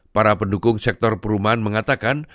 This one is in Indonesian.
para pendukung sektor perumahan mengatakan